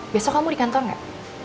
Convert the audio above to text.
besok kamu di kantor nggak